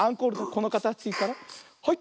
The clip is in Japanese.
このかたちからはい。